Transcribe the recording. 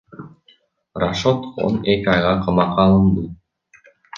Рашодхон эки айга камакка алынды.